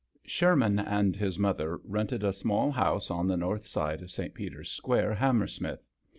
HERMAN and his mother rented a small house on the north side of St. Peter's Square, Hammersmith.